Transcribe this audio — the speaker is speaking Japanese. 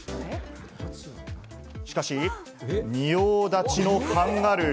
しかし、仁王立ちのカンガルー！